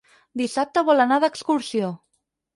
Dissabte vol anar d'excursió.